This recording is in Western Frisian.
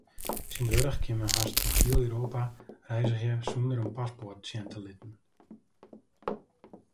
Tsjintwurdich kin men hast troch hiel Europa reizgje sûnder in paspoart sjen te litten.